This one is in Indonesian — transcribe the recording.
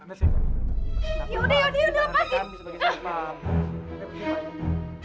yaudah yaudah yaudah lepasin